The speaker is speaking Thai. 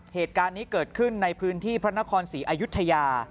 เหตุการณ์นี้เกิดขึ้นในพื้นที่พระนครศรีอายุทยา